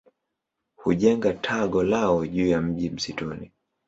Hujenga tago lao juu ya mti msituni.